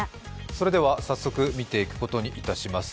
それでは早速、見ていくことにいたします。